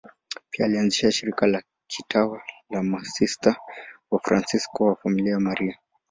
Pia alianzisha shirika la kitawa la Masista Wafransisko wa Familia ya Maria.